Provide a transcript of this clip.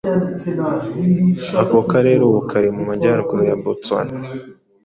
Ako karere ubu kari mu majyaruguru ya Botswana